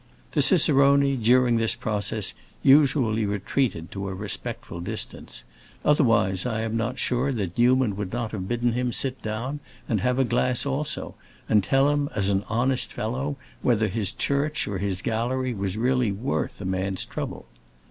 The cicerone, during this process, usually retreated to a respectful distance; otherwise I am not sure that Newman would not have bidden him sit down and have a glass also, and tell him as an honest fellow whether his church or his gallery was really worth a man's trouble.